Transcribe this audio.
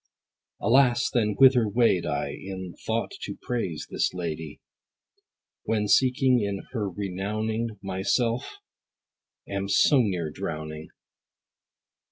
Alas then whither wade I In thought to praise this lady, When seeking her renowning My self am so near drowning?